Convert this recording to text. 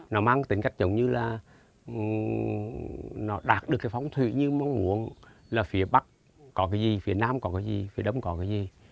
nó mang tính cách giống như là nó đạt được cái phóng thủy như mong muốn là phía bắc có cái gì phía nam có cái gì phía đông có cái gì